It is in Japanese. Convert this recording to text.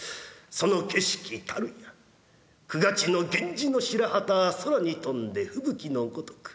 その景色たるや源氏の白旗空に飛んで吹雪のごとく。